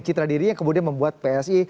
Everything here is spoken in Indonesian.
citra diri yang kemudian membuat psi